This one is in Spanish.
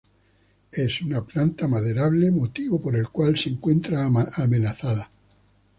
Es una planta maderable, motivo por el cual se encuentra amenazada.